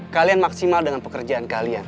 kalian maksimal dengan pekerjaan kalian